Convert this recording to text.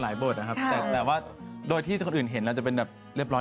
บทนะครับแต่ว่าโดยที่คนอื่นเห็นอาจจะเป็นแบบเรียบร้อย